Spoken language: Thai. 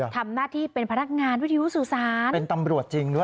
ทำหน้าที่เป็นพนักงานวิทยุสื่อสารเป็นตำรวจจริงด้วย